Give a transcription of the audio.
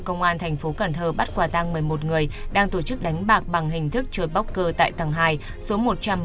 công an tp cn bắt quà tang một mươi một người đang tổ chức đánh bạc bằng hình thức chơi poker tại tầng hai số một trăm một mươi một